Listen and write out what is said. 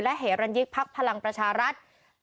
และเหรียญรันยิกภักดิ์พลังประชารัฐ